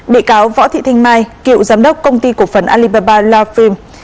bị cáo võ thị thinh mai cựu giám đốc công ty cục phần alibaba love film